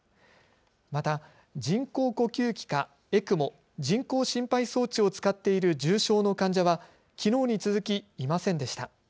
また人工呼吸器かＥＣＭＯ・人工心肺装置を使っている重症の患者はきのうに続きいませんでした。